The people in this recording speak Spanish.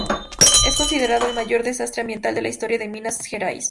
Es considerado el mayor desastre ambiental de la historia de Minas Gerais.